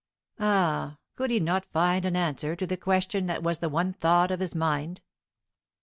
Ah, could he not find an answer to the question that was the one thought of his mind?